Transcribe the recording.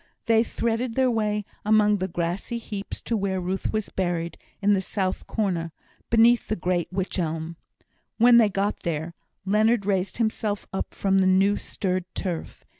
They threaded their way among the grassy heaps to where Ruth was buried, in the south corner, beneath the great Wych elm. When they got there, Leonard raised himself up from the new stirred turf.